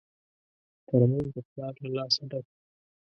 ترموز د پلار له لاسه ډک وي.